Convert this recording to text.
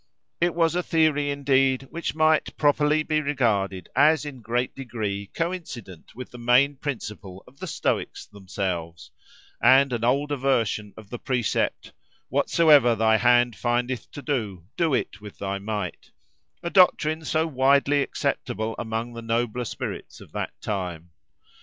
It was a theory, indeed, which might properly be regarded as in great degree coincident with the main principle of the Stoics themselves, and an older version of the precept "Whatsoever thy hand findeth to do, do it with thy might"—a doctrine so widely acceptable among the nobler spirits of that time.